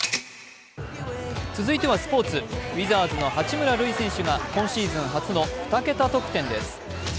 続いてはスポーツ、ウィザーズの八村塁選手が今シーズン初の２桁得点です。